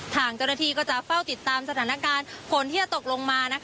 ทางเจ้าหน้าที่ก็จะเฝ้าติดตามสถานการณ์ฝนที่จะตกลงมา